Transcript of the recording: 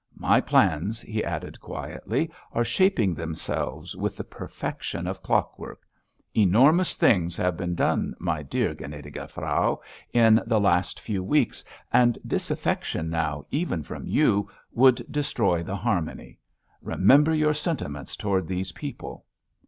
My plans," he added quietly, "are shaping themselves with the perfection of clockwork. Enormous things have been done, my dear gnädige Frau, in the last few weeks, and disaffection now, even from you, would destroy the harmony.... Remember your sentiments towards these people!"